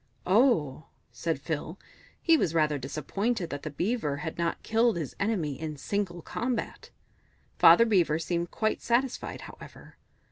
"Oh," said Phil. He was rather disappointed that the Beaver had not killed his enemy in single combat; Father Beaver seemed quite satisfied, however.